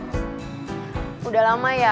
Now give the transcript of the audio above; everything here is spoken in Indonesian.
sudah lama ya